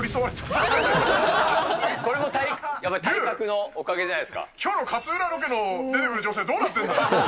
これも、やっぱり体格のおかきょうの勝浦ロケに出てくる女性、どうなってんだ！